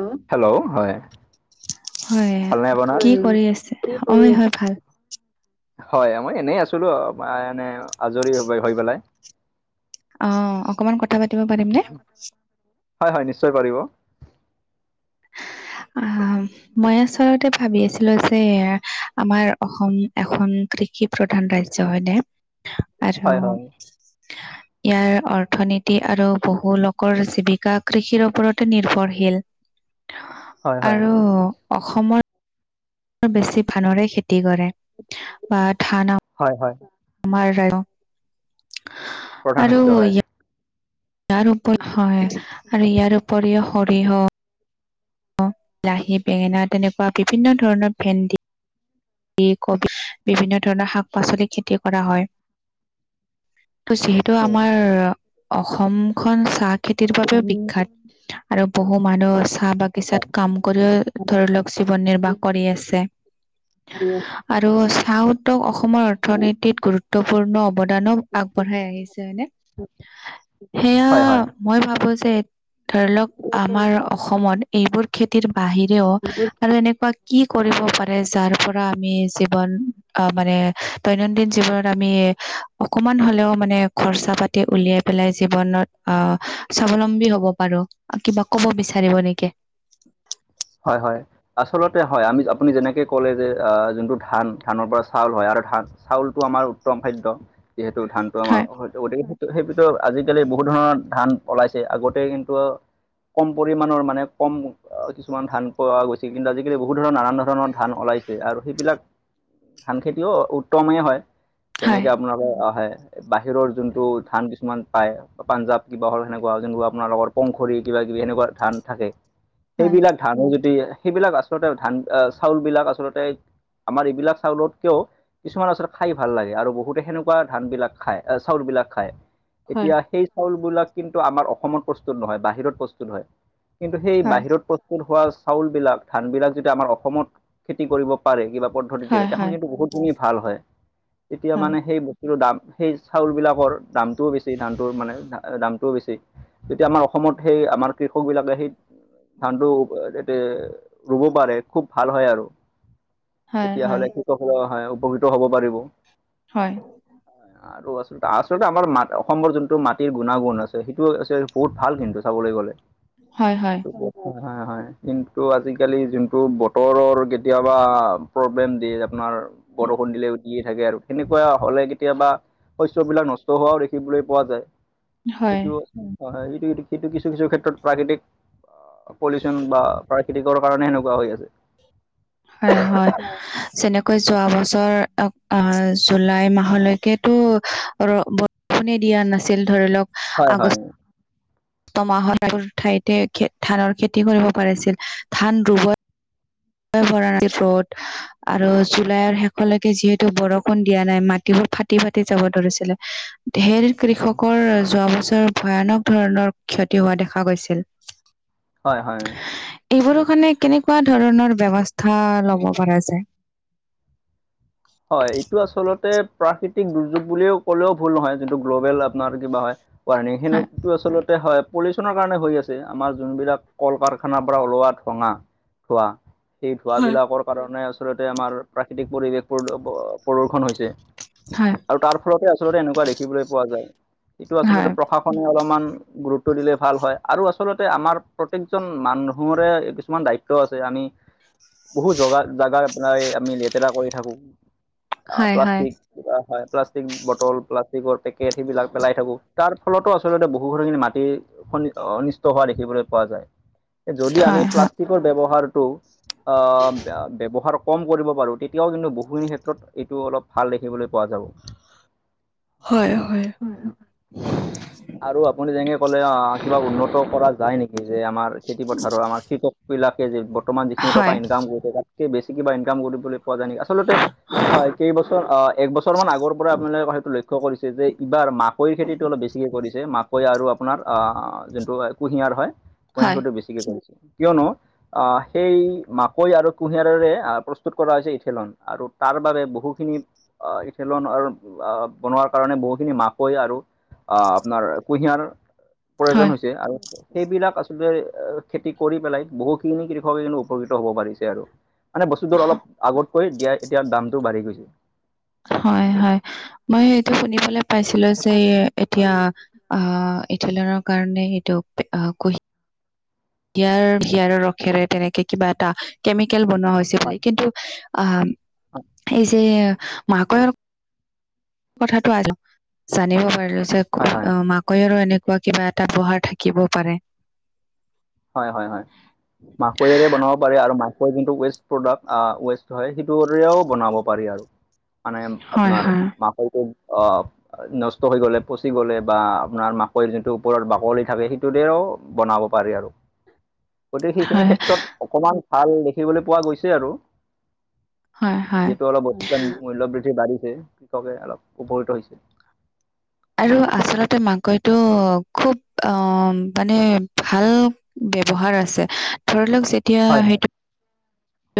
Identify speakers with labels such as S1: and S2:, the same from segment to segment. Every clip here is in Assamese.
S1: উম হেল্ল হয়
S2: হয়
S1: ভালনে আপোনাৰ?
S2: কি কৰি আছে
S1: কি কৰি
S2: হয়
S1: আছ
S2: হয় ভাল
S1: হয় মই এনেই আছিলো এনে আজৰি হৈ পেলাই
S2: অ অকমান ক কথা পাতিব পাৰিম নে
S1: হয় হয় নিশ্চয় পাৰিব
S2: আহ আহ মই আচলত ভাবি আছিলো যে আমাৰ অসম এখন কৃষি প্ৰধান ৰাজ্য হয়নে আৰু
S1: হয় হয়
S2: ইয়াৰ অৰ্থনীতি আৰু বহু লোকৰ জীৱিকা কৃষিৰ ওপৰতে নিৰ্ভৰশীল
S1: হয় হয়
S2: আৰু অসমৰ বেছি ধানৰে খেতি কৰে বা ধান
S1: হয় হয়
S2: আমাৰ ৰাজ্য
S1: প্ৰধান
S2: আৰু
S1: শস্য হয়
S2: ইয়াৰ উপৰি হয় আৰু ইয়াৰ উপৰিও সৰিয়হ অ বিলাহী বেঙেনা তেনেকুৱা বিভিন্ন ধৰণৰ ভেন্দি কবি বিভিন্ন ধৰণৰ শাক পাচলি খেতি কৰা হয় ত যি টো আমাৰ অসমখন চাহ খেতিৰ বাবেও বিখ্যাত। আৰু বহু মানুহ চাহ বাগিচাত কাম কৰিও ধৰি লওক জীৱন নিৰ্বাহ কৰি আছে।
S1: [inaudible]
S2: আৰু চাহওটো অসমৰ অৰ্থনীতিত গুৰুত্বপূৰ্ণ অৱদানো আগবঢ়াই আহিছে হয়নে? সেয়া
S1: হয় হয়।
S2: মই ভাবো যে ধৰি লওক আমাৰ অসমত এইবোৰ খেতিৰ বাহিৰেও আৰু এনেকুৱা কি কৰিব পাৰে যাৰ পৰা আমি জীৱন আহ মানে দৈনন্দিন জীৱনত আমি অকমান হলেও মানে খৰচা পাতি উলিয়াই পেলাই জীৱনত আহ স্বাৱলম্বী হব পাৰো। কিবা কব বিচাৰিব নেকি?
S1: হয় হয়। আচলতে হয় আমি আপুনি যেনেকে কলে যে আহ যোনটো ধান, ধানৰ পৰা চাউল হয় আৰু ধান চাউলটো আমাৰ উত্তম খাদ্য যিহেতু ধানটো আমাৰ
S2: হয়
S1: গতিকে সেইটো সেইতোটো আজিকালি বহুত ধৰণৰ ধান ওলাইছে আগতে কিন্তু কম পৰিমাণৰ মানে কম কিছুমান ধান পোৱা গৈছিল, কিন্তু আজিকালি বহুত ধৰণৰ নান ধৰণৰ ধান ওলাইছে আৰু সেইবিলাক ধান খেতিও উত্তমেই হয়।
S2: হয়।
S1: তেনেকে আপোনালোকে অ হয় বাহিৰৰ যোনটো ধান কিছুমান পায় বা পাঞ্জাৱ কিবা হল সেনেকুৱা যেনেকুৱা আপোনাৰ লগৰ পংখুৰী কিবা কিবি সেনেকুৱা ধান থাকে
S2: হয়
S1: সেইবিলাক ধানৰ যদি সেইবিলাক আচলতে ধান আহ চাউল বিলাক আচলতে আমাৰ এইবিলাক চাউলতকেও কিছুমান আচলতে খাই ভাল লাগে, আৰু বহুতে সেনেকুৱা ধান বিলাক খায় আহ চাউল বিলাক খায়।
S2: হয়
S1: এতিয়া সেই চাউল বিলাক কিন্তু আমাৰ অসমত প্ৰস্তুত নহয় বাহিৰত প্ৰস্তুত হয়। কিন্তু সেই
S2: হয়
S1: বাহিৰত প্ৰস্ হোৱা চাউল বিলাক ধান বিলাক যেতিয়া আমাৰ অসমত খেতি কৰিব পাৰে কিবা প্ৰ দ্ধতিৰে তেখন কিন্তু
S2: হয়
S1: বহুতখিনি ভাল হয়, তেতিয়া মানে সেই বস্তুটোৰ দাম সেই চাউল বিলাক কৰ দামটোও বেছি ধানটোৰ মানে দামটোও বেছি তেতিয়া আমাৰ অসমত সেই আমাৰ কৃষক বিলাকে সেই ধানটো এতে ৰুব পাৰে খুব ভাল হয় আৰু তেতিয়া
S2: হয় হয়
S1: হ'লে খুব হয় উপকৃত হ'ব পাৰিব।
S2: হয়।
S1: আৰু আচলতে আচলতে আমাৰ মাত অসমৰ যোনটো মাটিৰ গুণাগুণ আছে সেই টো আছে বহুত ভাল কিন্তু চাবলৈ গ'লে
S2: হয় হয়
S1: হয় হয়। কিন্তু আজিকালি যোনটো বতৰৰ কেতিয়াবা প্ৰব্লেম দিয়ে আপোনাৰ বৰষুণ দিলেও দিয়ে থাকে আৰু তেনেকুৱা হলে কেতিয়াবা শস্যবিলাক নষ্ট হোৱাও দেখিবলৈ পোৱা যায়।
S2: হয়
S1: সেইটো হয় হয় সেইটো সেইটো কিছু কিছু ক্ষেত্ৰত প্ৰাকৃতিক পলিউচন বা প্ৰাকৃতিকৰ কাৰণে সেনেকুৱা হৈ আছে।
S2: হয় হয়। যেনেকৈ যোৱা বছৰ আহ জুলাই মাহলৈকেতো ৰ ব কোনে দিয়া নাছিল ধৰি লওক
S1: হয় হয়।
S2: ত মাহৰ আগৰ ঠাইতে ধানৰ খেতি কৰিব পাৰিছিল, ধান ৰুব ভৰা ৰ'দ আৰু জুলাইৰ শেষ লৈকে যিহেতু বৰষুণ দিয়া নাই মাটিবোৰ ফাটি ফাটি যাব ধৰিছিলে ধেৰ
S1: হয়
S2: কৃষকৰ যোৱা বছৰ ভয়ানক ধৰণৰ ক্ষতি হোৱা দেখা গৈছিল।
S1: হয় হয়
S2: এইবোৰো কাৰনে কেনেকুৱা ধৰণৰ ব্যৱস্থা লব প যায়
S1: হয় এইটো আচলতে প্ৰাকৃতিক দুৰ্যোগ বুলিও ক'লেও ভুল নহয় যিটো গ্ল'বেল আপোনাৰ কিবা হয় ৱণিং
S2: হয়
S1: সেনকতটো আচলতে হয় পলিউশচনৰ কাৰণে হৈ আছে আমাৰ যোনবিলাক কল কাৰখানাৰ পৰা ওলোৱা ঠঙা খোৱা সেই
S2: হয়
S1: ধোঁৱাবিলাকৰ কাৰণে আচলতে আমাৰ প্ৰাকৃতিক পৰিৱেশ প্ৰ প্ৰদূ্ষন হৈছে।
S2: হয়।
S1: আৰু তাৰ ফলতে আচলতে এনেকুৱা দেখিবলৈ পোৱা যায় এইটো আচলতে
S2: হয়
S1: প্ৰশাসনে অলপমান গুৰুত্ব দিলে ভাল হয় আৰু আচলতে আমাৰ প্ৰত্যেকজন মানুহৰে কিছুমান দায়িত্ব আছে আমি বহু জগা জাগা আনাৰ আমি লেতেৰা কৰি থাকো।
S2: হয়
S1: প্লাষ্টিক হয় প্লাষ্টিক বটল প্লাষ্টিকৰ কেঠেই বিলাক পেলাই থাকো তাৰ ফলতো আচলতে বহু খিনি মাটি অনিষ্ট হোৱা দেখিবলৈ পোৱা যায় যদি
S2: হয়
S1: আমি
S2: হয়
S1: প্লাষ্টিক হাৰটো আহ ব্যৱহাৰ কম কৰিব পাৰো তেতিয়াও কিন্তু ব ক্ষেত্ৰত এইটো অলপ ভাল দেখিবলৈ পোৱা যাব।
S2: হয় হয়।
S1: হয় অ আৰু আপুনি যেনেকে ক'লে অ কিবা উন্নত কৰা যায় নেকি যে আমাৰ খেতি পথাৰৰ আমাৰ কৃষক বিলাকে যে বৰ্তমান যিখিনি টকা
S2: হয়
S1: ইনকাম কৰি বেছি কিবা ইনকাম কৰিবলৈ পোৱা যায় নেকি আচলতে হয় কেইবছৰ অ এক বছৰ মান আগৰ পৰা আপোনালোকে সেইটো লক্ষ্য কৰিছে যে এইবাৰ মাক কৈৰ খেতিতটো অলপ বেছিকে কৰিছে মাকৈ আৰু আপোনাৰ যোনটো কুঁহিয়াৰ হয় কুঁহিয়াৰ
S2: হয়
S1: খেতিটো বেছি ঠিকে কৈছে কিয়নো আহ সেই মাকৈ আৰু কুঁহিয়াৰেৰে প্ৰস্তুত কৰা হৈছে ইঠেলন আৰু তাৰ বাবে বহুখিনি ইথেলনৰ বনোৱাৰ কাৰণে বহুখিনি মাকৈ আৰু আহ আপোনাৰ কুঁহিয়াৰ প্ৰয়োজন
S2: হয়
S1: হৈছে আৰু সেইবিলাক আচলতে খেতি কৰি পেলাই বহুখিনি কৃষকে কিন্তু উপকৃত হ'ব পাৰিছে আৰু মানে বস্তুটোৰ অলপ আগতকৈ দিয়া এতিয়া দামটো বাঢ়ি গৈছে।
S2: হয় হয় মই এইটো শুনিবলৈ পাইছিলো যে এতিয়া অ', ইথিলনৰ কাৰণে এইটো কৈ ইয়াৰ হিয়াৰৰ ৰসেৰে তেনেকে কিবা এটা কেমিকেল বনোৱা হৈছে বুলি, কিন্তু আহ এই যে মাকৈ কথাটো জানিব পাৰিলো যে
S1: হয় হয় হয় হয়
S2: মাক কৈৰ আৰু এনেকুৱা কিবা এটা উপহাৰ থাকিবও পাৰে।
S1: হয় হয় হয়, মাকৈৰে বনাব পাৰে আৰু মা যোনটো ৱেষ্ট প্ৰডাক্ট ৱেষ্ট হয়, সেইটোৰেও বনাব পাৰি আৰু। মানে
S2: হয়
S1: আপোনাৰ
S2: হয়
S1: মাকৈটো অহ। নষ্ট হৈ গলে পচি গলে বা আপোনাৰ মাকৈৰ যোনটো ওপৰত বাকলি থাকে সেইটোতেও বনাব পাৰি আৰু গতিকে সেইখিনি
S2: হয়
S1: ক্ষেত্ৰত অকমান ভাল দেখিবলৈ পোৱা গৈছে আৰু
S2: হয় হয়
S1: যিহেতু অলপ বৰ্তমান মূল্যয় বৃদ্ধি বাঢ়িছে, কৃষকে অলপ উপকৃত হৈছে',
S2: আৰু আচলতে মাকৈটো খুব অঅঅঅ', মানে ভাল', ব্যৱহাৰ আছে, ধৰি লওঁক যেতিয়া
S1: হয় হয়
S2: সেইটো',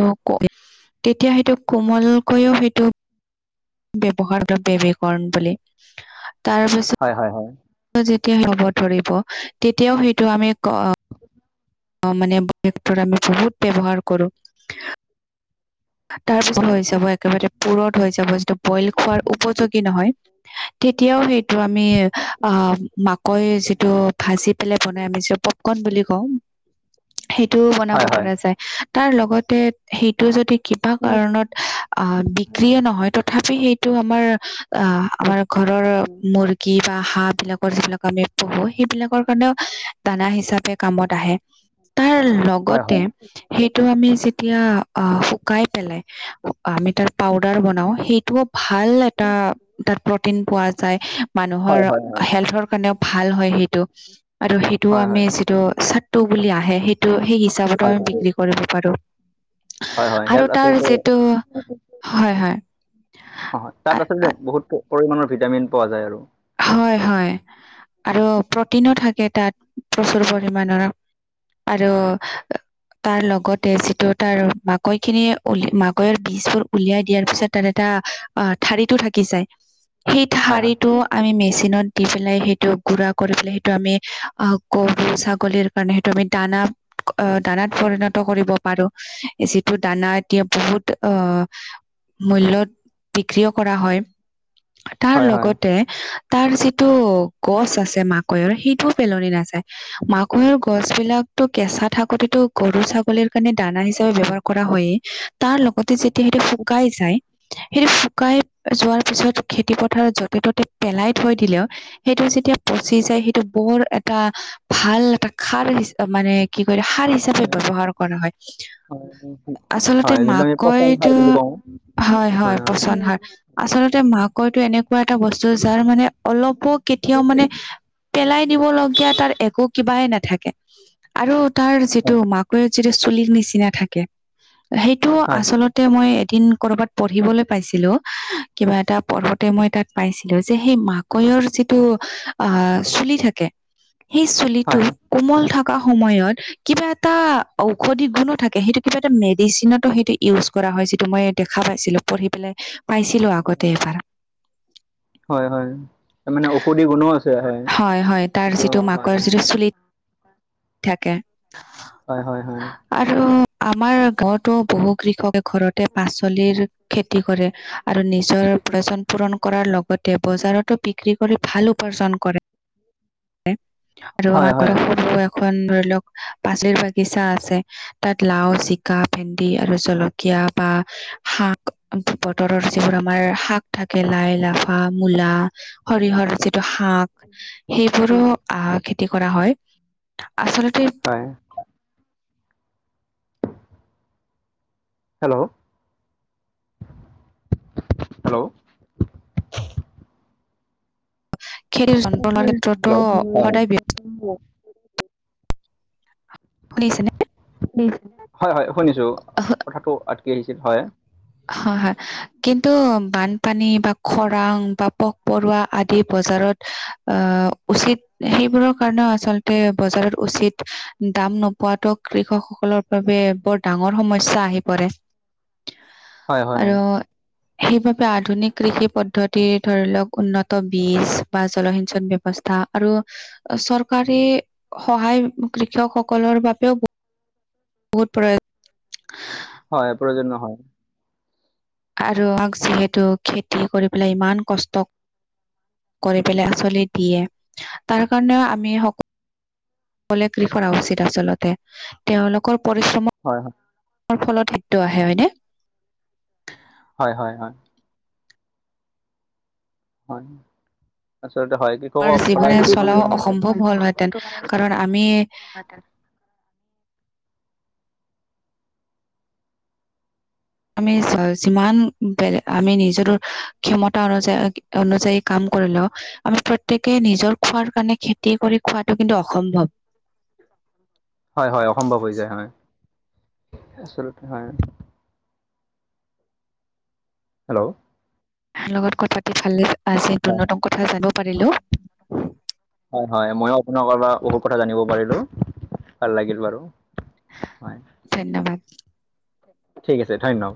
S2: মাকৈ, তেতিয়া সেইটো কোমলকৈও সেইটো', ব্যৱহাৰ মতলব বেবিকৰ্ণ বুলি, তাৰপিছত',
S1: হয়', - হয়', - হয়',
S2: যেতিয়াই হ'ব ধৰিব, তেতিয়াও সেইটো আমি কৰ্ণ', অ', মানে ভুট্টা আমি বহুত ব্যৱহাৰ কৰোঁ', তাৰপিছত
S1: হয় হয়।
S2: হৈ যাব, একেবাৰে পুৰত হৈ যাব, যিটো', বইল খোৱাৰ উপযোগী নহয়', তেতিয়াও সেইটো আমি অ', মাকৈ যিটো ভাজি পেলাই বনাই, আমি যিটোক পপ', পপকৰ্ণ বুলি কওঁ', সেইটোও বনাব
S1: হয় হয়
S2: পৰা যায়, তাৰ লগতে সেইটো যদি', কিবা কাৰণত অ', বিক্ৰীয়ে নহয় তথাপি সেইটো আমাৰ, অ', আমাৰ', ঘৰৰ মুৰ্গী', বা হাঁহ বিলাকৰ যিবিলাক আমি পুহো, সেইবিলাকৰ কাৰণেও দানা হিচাপে কামত আহে', তাৰ
S1: হয় হয়। হয়
S2: লগতে',
S1: হয়
S2: সেইটো আমি যেতিয়া অহ', শুকাই পেলাই', আমি তাৰ পাউদাৰ বনাও, সেইটোও ভাল এটা, তাৰ প্ৰটিন পোৱা যায়', মানুহৰ,
S1: হয় হয় হয়
S2: হেল্থৰ কাৰণেও ভাল হয় সেইটো, আৰু সেইটোও
S1: হয়
S2: আমি যিটো চাৰ্টি', সেইটো বুলি আহে, সেইটো সেই হিচাপতো আমি
S1: হয়।
S2: বিক্ৰী কৰিব পাৰোঁ',
S1: হয় হয়
S2: আৰু
S1: ইয়াত
S2: তাৰ
S1: আচলতে
S2: যিটো, হয়', - হয়',
S1: অ', হয়, তাত
S2: আ-
S1: আচলতে
S2: আ-
S1: বহুত পৰিমাণৰ ভিটামিন পোৱা যায় আৰু',
S2: হয়', - হয়', আৰু প্ৰটিনো থাকে তাত প্ৰচুৰ পৰিমাণৰ অহ', আৰু', তাৰ লগতে যিটো তাৰ মাকৈ খিনি উল, মাকৈৰ বীজবোৰ উলিয়াই দিয়াৰ পিছত', তাত এটা, অ', ঠাৰিটো থাকি যায়, সেই
S1: হয়
S2: ঠাৰিটো',
S1: হয়
S2: আমি মেচিনত দি পেলাই, সেইটো গুড়া কৰি পেলাই, সেইটো আমি অহ', গৰু ছাগলীৰ', কাৰণে, সেইটো আমি দানা, অ', দানাত পৰিণত কৰিব পাৰোঁ', এই যিটো দানা এতিয়া বহুত অহ', মূল্যত, বিক্ৰীও কৰা হয়', তাৰ
S1: হয় হয়।
S2: লগতে, তাৰ যিটো, গছ আছে মাকৈৰ, সেইটোও পেলনি নাযায়', মাকৈৰ গছ বিলাক', সেইটো কেঁচা থাকোঁতেটো গৰু - ছাগলীৰ কাৰণে দানা হিচাপে ব্যৱহাৰ কৰা হয়েই, তাৰ লগত', লগতে যেতিয়া সেইটো শুকাই যায়', ছাই, সেইটো শুকাই যোৱাৰ পিছত খেতি-পথাৰ য'তে - ত'তে পেলাই থৈ দিলেও', সেইটো যেতিয়া পচি যায়, সেইটো বৰ এটা ভাল এটা খাৰ হিচাপ মানে', কি কৰে, সাৰ হিচাপে ব্যৱহাৰ কৰা হয়', আচলতে
S1: হয় যোনটো আমি পচন সাৰ
S2: মাকৈটো,
S1: বুলি কওঁ
S2: হয়', - হয়', পচন হয়', আচলতে মাকৈটো, এনেকুৱা এটা বস্তু, যাৰ মানে অলপো কেতিয়াও মানে', পেলাই দিবলগীয়া তাৰ একো কিবাই নাথাকে, আৰু তাৰ যিটো মাক', মাকৈত যিটো চুলিৰ নিচিনা থাকে, সেইটো
S1: হয়
S2: আচলতে মই এদিন', কৰ'বাত পঢ়িবলৈ পাইছিলোঁ, কিবা এটা পঢ়োতে মই তাত', পাইছিলোঁ যে, সেই মাকৈৰ যিটো আহ', চুলি থাকে', সেই চুলিটো,
S1: হয় হয়
S2: কোমল থকা সময়ত', কিবা এটা ঔষধি গুণো থাকে সেইটো কিবা এটা মেডিচিনত সটো। কৰা হয় যিটো মই দেখা পাইছিলো, পঢ়ি পেলাই পাইছিলো আগতে এবাৰ।
S1: হয় হয়, তাৰ মানে ঔষধি গুণো আছে।
S2: হয় হয়, তাৰ
S1: এইটো
S2: যিটো
S1: হয়
S2: মাকৰ যিটো চুলিত থাকে।
S1: হয়, হয়, হয়।
S2: আৰু আমাৰ গাৱতো বহু কৃষকে ঘৰতে পাচলিৰ খেতি কৰে। আৰু নিজৰ উপচন পূৰণ কৰাৰ লগতে বজাৰতো। বিক্ৰী কৰি ভাল উপাৰ্জন কৰে আৰু
S1: হয়
S2: আমাৰ ঘ
S1: হয়
S2: সৰু। খন ধৰি লওক, পাচিৰ বাগিচা আছে। তাত লাও জিকা ভেন্দি আৰু জলকীয়া বা। শাক বতৰৰ যিবোৰ আমাৰ শাক থাকে লাই লাফা মূলা। সৰিয়হৰ যিটো শাক সেইবোৰো। আহ খেতি কৰা হয় আচলতে।
S1: হয়। হেল্ল'। হেল্ল'
S2: খেতিৰ যন্ত্ৰ লোৱাৰ ক্ষেত্ৰতো সদায় ব্যয়
S1: [unintelligible]
S2: শুনিছেনে?
S1: হয় হয় শুনিছো, কথাটো আটকি আহিছিল হয়।
S2: হয় হয় কিন্তু বানপানী বা খৰাং বা পোক পৰুৱা আদি বজাৰত। অ' উচিত। সেইবোৰৰ কাৰণেও আচলতে বজাৰত উচিত দাম নোপোৱাাতটো কৃষকসকলৰ। বাবে বৰ ডাঙৰ সমস্যা আহি পৰে।
S1: হয় হয়
S2: আৰু। সেইবাবে আধুনিক কৃষি পদ্ধতিৰ ধৰি লওক উন্নত বীজ বা জলসিঞ্চন ব্যৱস্থা। আৰু চৰকাৰী সহায় কৃষক সকলৰ বাবেও। বহুত।
S1: হয় প্ৰয়োজন হয়।
S2: আৰু আমাক যিহেতু খেতি কৰি পেলাই ইমান কষ্ট। কৰি পেলাই আচলি দিয়ে তাৰ কাৰণেও আমি সকল। লে ক কৰা উচিত আচলতে তেওঁলোকৰ পৰিশ্ৰম।
S1: হয় হয়।
S2: ফলত সেইটো আহে হয়নে?
S1: হয় হয় হয়। হয়, আচলতে হয় কি।
S2: আমাৰ জীৱনে চলাও অসম্ভৱ
S1: জীৱনান
S2: হ'লহেঁতেন
S1: জীৱনতটো
S2: কাৰণ আমি
S1: মানেৱ [unintelligible]
S2: আমি যিমান বেলেগ আমি নিজৰ ক্ষমতা অনুযায়ী অনুযায়ী কাম কৰিলেও। আমি প্ৰত্যেকে নিজৰ খোৱাৰ কাৰণে খেতি কৰি খোৱাটো কিন্তু অসম্ভৱ।
S1: হয় হয় অসম্ভৱ হৈ যায় হয়, আচলতে হয়। হেল্ল'।
S2: তোমাৰ লগত কথাতি ফালে আজি
S1: হয়
S2: দুনতম কথা জানিব পাৰিলো।
S1: হয় হয়, মইয়ো আপোনোকৰ পৰা বহুত কথা জানিব পাৰিলো, ভাল লাগিল বাৰু। হয়।
S2: ধন্যবাদ।
S1: ঠিক আছে ধন্যবাদ।